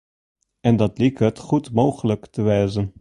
En dat liket goed mooglik te wêzen.